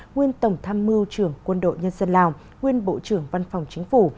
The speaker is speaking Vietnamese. nguyên tổng tham mưu trưởng quân đội nhân dân lào nguyên bộ trưởng văn phòng chính phủ